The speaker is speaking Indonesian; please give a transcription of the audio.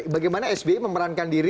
bagaimana sbi memerankan diri